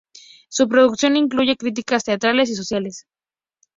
Su producción incluye críticas teatrales y sociales.